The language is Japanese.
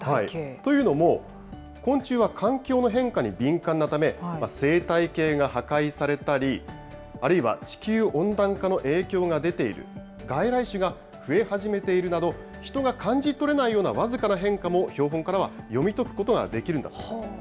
というのも、昆虫は環境の変化に敏感なため、生態系が破壊されたり、あるいは地球温暖化の影響が出ている、外来種が増え始めているなど、人が感じ取れないような僅かな変化も標本からは読み解くことができるんだそうです。